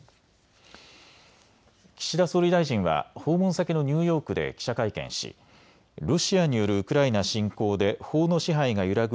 岸田総理大臣は訪問先のニューヨークで記者会見しロシアによるウクライナ侵攻で法の支配が揺らぐ